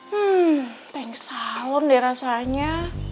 hmm pengsalem deh rasanya